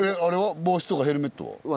帽子とかヘルメットは？